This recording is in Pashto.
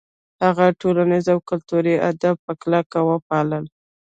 هغوی ټولنیز او کلتوري آداب په کلکه وپالـل.